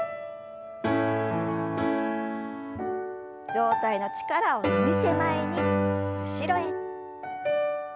上体の力を抜いて前に後ろへ。